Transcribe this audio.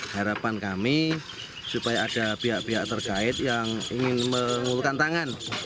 harapan kami supaya ada pihak pihak terkait yang ingin mengulurkan tangan